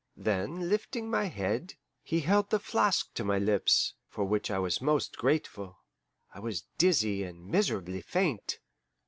Then, lifting my head, he held the flask to my lips; for which I was most grateful I was dizzy and miserably faint.